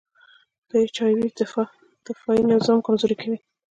د اچ آی وي دفاعي نظام کمزوری کوي.